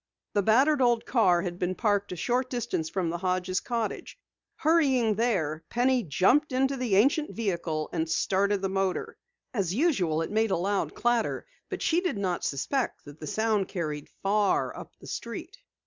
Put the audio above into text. The battered old car had been parked a short distance from the Hodges' cottage. Hurrying there, Penny jumped into the ancient vehicle and started the motor. As usual it made a loud clatter, but she did not suspect that the sound carried far up the street.